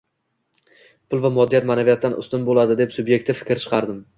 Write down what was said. pul va moddiyat ma’naviyatdan ustun bo‘ladi, deb sub’ektiv fikr chiqardim.